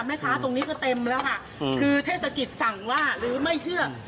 ตรงนี้ก็เต็มแล้วค่ะคือเทศกิจสั่งว่าหรือไม่เชื่อ